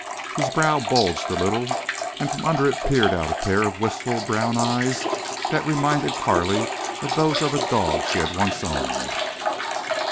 His brow bulged a little, and from under it peered out a pair of wistful brown eyes that reminded Carley of those of a dog she had once owned.